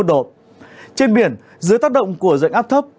trên biển dưới tác động của dạnh áp thấp